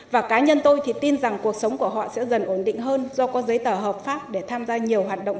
và cá nhân tôi thì tin rằng cuộc sống của họ sẽ dần ổn định hơn do có giấy tờ hợp pháp để tham gia nhiều hoạt động